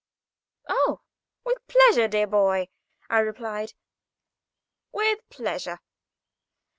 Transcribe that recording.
"Oh, with pleasure, dear boy," I replied, "with pleasure."